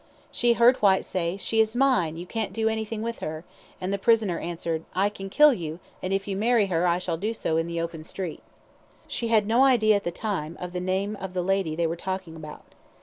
She heard Whyte say, "She is mine, you can't do anything with her," and the prisoner answered, "I can kill you, and if you marry her I shall do so in the open street." She had no idea at the time of the name of the lady they were talking about.